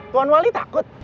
tuan wali takut